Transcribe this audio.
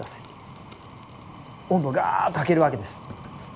温度ガーッと上げるわけです。